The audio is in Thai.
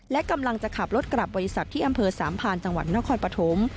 และกำลังจะขับรถกลับบริษัทที่อำเภอสามพานจังหวัดนครปฐม